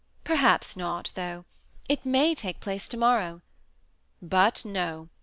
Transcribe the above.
Per haps not, though. It .may take place to morrow. But, No !